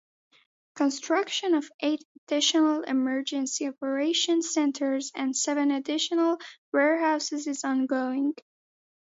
Construction of eight additional Emergency Operation Centers and seven additional warehouses is ongoing.